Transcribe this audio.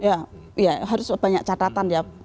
ya harus banyak catatan ya